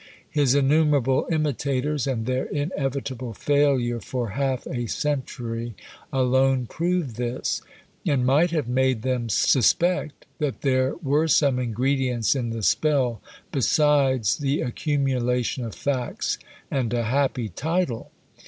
His innumerable imitators and their inevitable failure for half a century alone prove this, and might have made them suspect that there were some ingredients in the spell besides the accumulation of facts and a happy title.